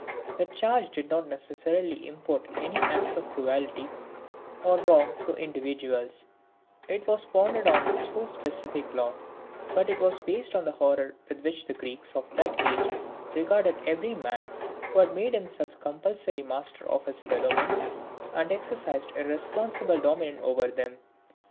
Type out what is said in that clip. The charge did not necessarily import any acts of cruelty or wrong to individuals: it was founded on so specific law; but it was based on the horror with which the Greeks of that age regarded every man who made himself compulsory master of his fellow men, and exercised irresponsible dominion over them.